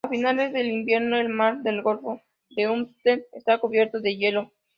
A finales de invierno, el mar del golfo de Amundsen está cubierto de hielo.